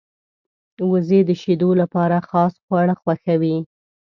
وزې د شیدو لپاره خاص خواړه خوښوي